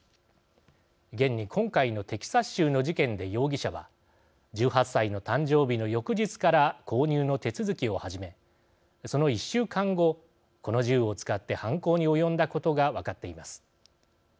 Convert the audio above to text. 現に、今回のテキサス州の事件で容疑者は１８歳の誕生日の翌日から購入の手続きを始めその１週間後、この銃を使って犯行に及んだことが分かっています。